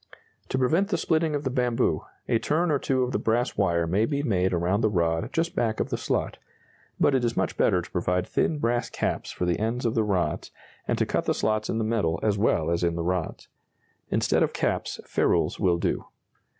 To prevent the splitting of the bamboo, a turn or two of the brass wire may be made around the rod just back of the slot; but it is much better to provide thin brass caps for the ends of the rods, and to cut the slots in the metal as well as in the rods. Instead of caps, ferrules will do.